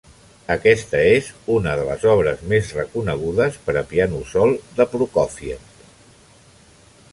Aquesta és una de les obres més reconegudes per a piano sol de Prokófiev.